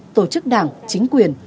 tổ chức đảng chính quyền